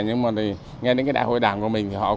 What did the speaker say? nhưng mà nghe đến đại hội đảng của mình